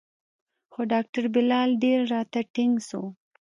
خو ډاکتر بلال ډېر راته ټينګ سو.